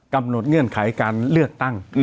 กำหนดเงื่อนไขการเลือกตั้ง